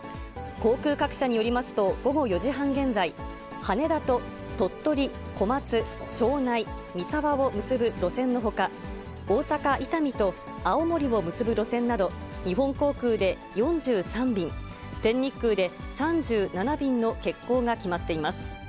航空各社によりますと、午後４時半現在、羽田と鳥取、小松、庄内、三沢を結ぶ路線のほか、大阪・伊丹と青森を結ぶ路線など、日本航空で４３便、全日空で３７便の欠航が決まっています。